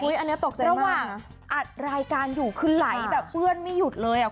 อันนี้ตกใจระหว่างอัดรายการอยู่คือไหลแบบเปื้อนไม่หยุดเลยอ่ะ